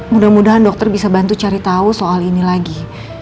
mudah mudahan dokter bisa bantu cari tahu soal ini lagi